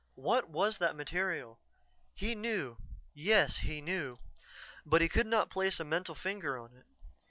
What was that material? He knew, yes, he knew but he could not place a mental finger on it.